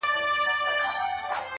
بيا دي توري سترگي زما پر لوري نه کړې.